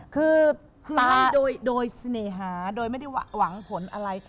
คือโดยเสน่หาโดยไม่ได้หวังผลอะไร